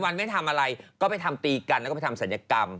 วันไม่ทำอะไรก็ไปทำตีกันแล้วก็ไปทำศัลยกรรม